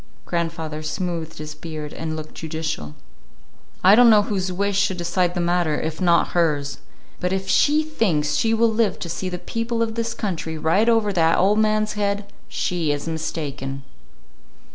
Grandfather smoothed his beard and looked judicial. "I don't know whose wish should decide the matter, if not hers. But if she thinks she will live to see the people of this country ride over that old man's head, she is mistaken."